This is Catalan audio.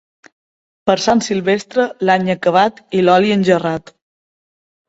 Per Sant Silvestre, l'any acabat i l'oli engerrat.